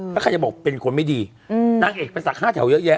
ไม่ได้บอกเป็นคนไม่ดีนางเอกไปสาก๕แถวเยอะแยะ